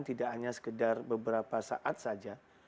tidak hanya sekedar beberapa saat saja